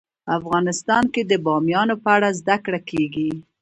افغانستان کې د بامیان په اړه زده کړه کېږي.